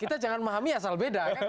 kita jangan memahami asal beda